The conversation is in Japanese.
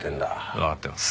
わかってます。